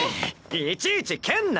いちいち蹴んな！